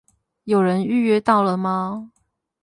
有人預約到了嗎？